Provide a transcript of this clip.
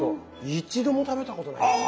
一度も食べたことないですね。